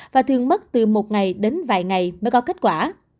và thường mất từ một ngày đến vài ngày mới có kết quả